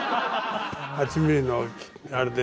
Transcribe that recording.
８ミリのあれで。